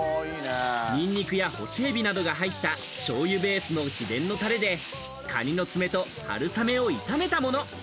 ニンニクや干しエビなどが入ったしょうゆベースの秘伝のタレでカニの爪と春雨を炒めたもの。